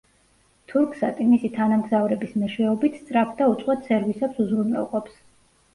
თურქსატი მისი თანამგზავრების მეშვეობით სწრაფ და უწყვეტ სერვისებს უზრუნველყოფს.